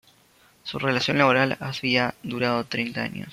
Su relación laboral había durado treinta años.